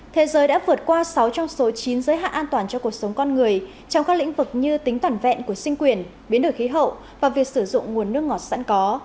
thế giới đã vượt qua sáu trong số chín giới hạn an toàn cho cuộc sống con người trong các lĩnh vực như tính toàn vẹn của sinh quyền biến đổi khí hậu và việc sử dụng nguồn nước ngọt sẵn có